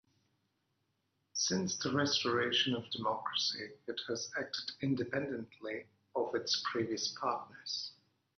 Since the restoration of democracy it has acted independently of its previous partners.